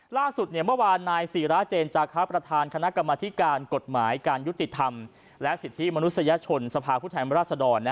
ล่าสุดเมื่อวานนายศิราเจนจาคะประธานคณะกรรมธิการกฎหมายการยุติธรรมและสิทธิมนุษยชนสภาพผู้แทนราชดร